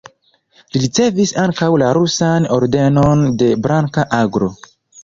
Li ricevis ankaŭ la rusan Ordenon de Blanka Aglo.